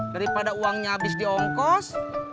daripada uangnya habis diongkos